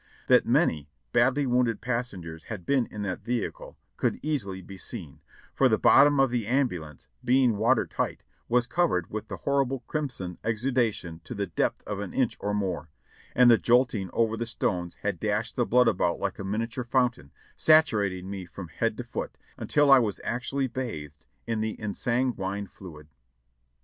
That many badly wounded passengers had been in that vehicle could easily be seen, for the bottom of the ambulance, being water tight, was covered with the horrible crimson exudation to the depth of an inch or more, and the jolting over the stones had dashed the blood about like a miniature fountain, saturating me from head to foot, until I was actually bathed in the ensanguined fluid.